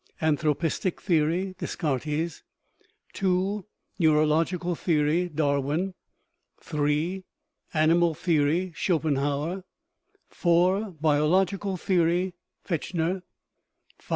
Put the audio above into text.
Anthro pistic Theory (Descartes) ; II. Neurological Theory (Darwin) ; III. Animal Theory (Schopenhauer) ; IV. Biological Theory (Fechner) ; V.